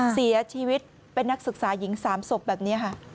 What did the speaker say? เสียชีวิตเป็นนักศึกษาหญิง๓ศพแบบนี้ค่ะ